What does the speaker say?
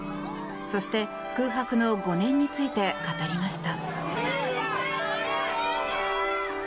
そして、空白の５年について語りました。